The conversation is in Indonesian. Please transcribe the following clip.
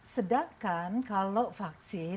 sedangkan kalau vaksin